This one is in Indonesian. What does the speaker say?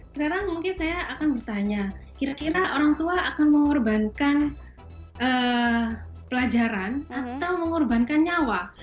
sekarang mungkin saya akan bertanya kira kira orang tua akan mengorbankan pelajaran atau mengorbankan nyawa